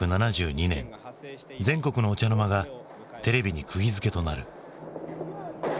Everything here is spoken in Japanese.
全国のお茶の間がテレビにくぎづけとなる。